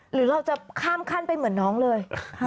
หรือเราจะข้ามขั้นไปเหมือนน้องเลย